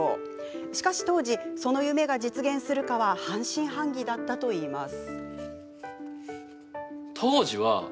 しかし、当時その夢が実現するかは半信半疑だったといいます。